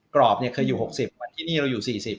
กรอบเนี่ยเคยอยู่๖๐วันที่นี่เราอยู่๔๐